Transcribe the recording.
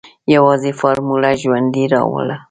يوازې فارموله ژوندۍ راوړه.